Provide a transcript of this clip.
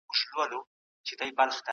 چي د برېښنايي تذکرو د ويش د ځنډ اصلي موضوع